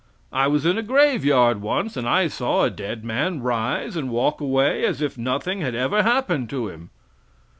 I was in a graveyard once, and I saw a dead man rise and walk away as if nothing had ever happened to him!"